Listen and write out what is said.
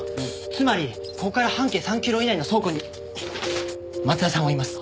つまりここから半径３キロ以内の倉庫に松田さんはいます！